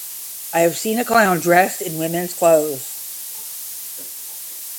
I have seen a clown dressed in women's clothes.